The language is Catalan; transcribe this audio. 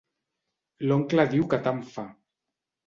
L'oncle diu que tant fa.